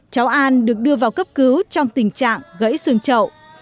cháu an được đưa vào cấp cứu trong tình trạng gãy xương trậu